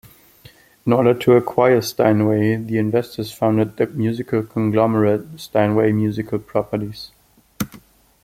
In order to acquire Steinway, the investors founded the musical conglomerate Steinway Musical Properties.